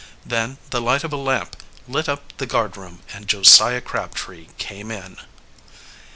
Then the light of a lamp lit up the guardroom, and Josiah Crabtree came in.